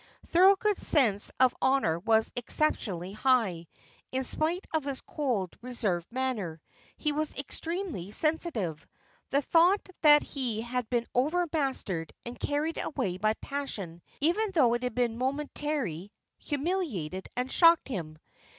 Thorold's sense of honour was exceptionally high; in spite of his cold, reserved manner, he was extremely sensitive; the thought that he had been over mastered and carried away by passion, even though it had been momentary, humiliated and shocked him.